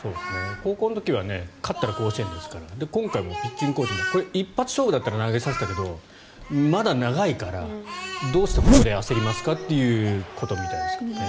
高校の時は勝ったら甲子園だったけど今回もピッチングコーチが一発勝負だったら投げさせたけどまだ長いからどうしてここで焦りますかということみたいですけどね。